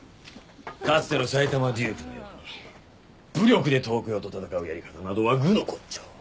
かつての埼玉デュークのように武力で東京と戦うやり方などは愚の骨頂。